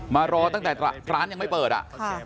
มารอตั้งแต่ร้านยังไม่เปิดอ่ะค่ะ